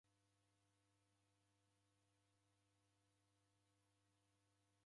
Kaw'edafuna nandighi kuw'aw'a ni muzu